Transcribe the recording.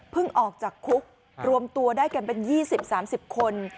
ออกจากคุกรวมตัวได้กันเป็น๒๐๓๐คน